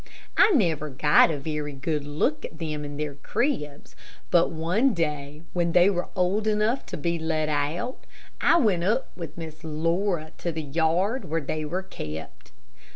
I never got a very good look at them in their cribs, but one day when they were old enough to be let out, I went up with Miss Laura to the yard where they were kept.